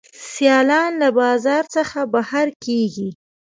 سیالان له بازار څخه بهر کیږي.